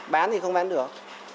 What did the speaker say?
bán thì không bán được